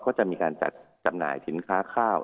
ก็จะมีการจัดจำหน่ายสินค้าข้าว